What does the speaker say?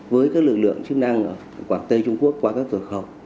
với các lực lượng chức năng ở quảng tây trung quốc qua các cửa khẩu